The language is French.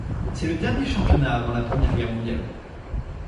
C’est le dernier championnat avant la Première Guerre mondiale.